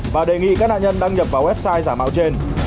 và đề nghị các nạn nhân đăng nhập vào website giả mạo trên